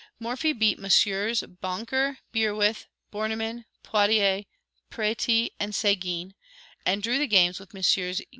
Morphy beat Messrs. Bancker, Bierwirth, Bornemann, Potier, Préti, and Seguin, and drew the games with Messrs.